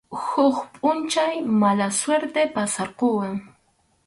Huk pʼunchaw mala suerte pasarquwan.